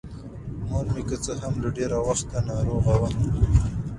مـور مـې کـه څـه هـم له ډېـره وخـته نـاروغـه وه.